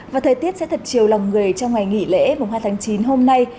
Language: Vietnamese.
và thời tiết sẽ thật chiều lòng người trong ngày nghỉ lễ mùng hai tháng chín hôm nay